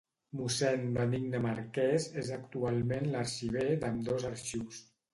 Mossèn Benigne Marquès és actualment l'arxiver d'ambdós arxius.